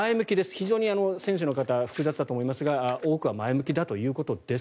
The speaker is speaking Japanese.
非常に選手の方たちは複雑だと思いますが多くは前向きだということです。